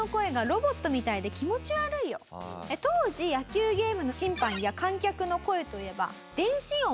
当時野球ゲームの審判や観客の声といえば電子音。